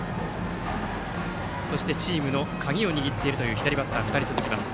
チームの鍵を握っているという左バッター、２人続きます。